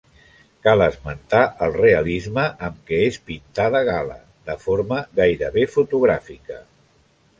Cal esmentar el realisme amb què és pintada Gala, de forma gairebé fotogràfica.